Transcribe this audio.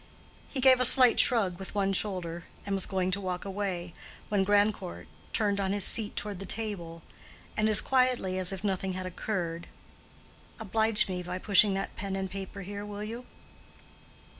He gave a slight shrug with one shoulder, and was going to walk away, when Grandcourt, turning on his seat toward the table, said, as quietly as if nothing had occurred, "Oblige me by pushing that pen and paper here, will you?"